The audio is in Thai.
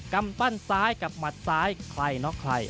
กำปั้นซ้ายกับหมัดซ้ายใครน็อกใคร